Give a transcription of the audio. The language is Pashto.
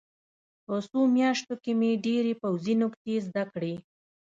په څو میاشتو کې مې ډېرې پوځي نکتې زده کړې